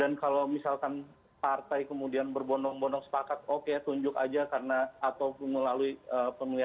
dan kalau misalkan partai kemudian berbondong bondong sepakat oke tunjuk aja karena atau melalui pemilihan